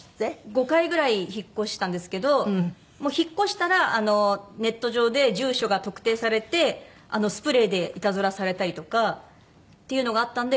５回ぐらい引っ越したんですけどもう引っ越したらネット上で住所が特定されてスプレーでいたずらされたりとかっていうのがあったんで。